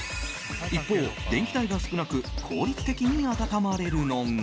一方、電気代が少なく効率的に暖まれるのが。